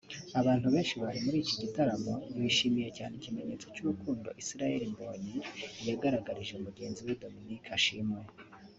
Abantu benshi bari muri iki gitaramo bishimiye cyane ikimenyetso cy'urukundo Israel Mbonyi yagaragarije mugenzi we Dominic Ashimwe